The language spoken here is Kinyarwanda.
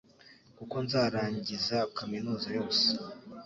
kuko nzarangiza kaminuza yose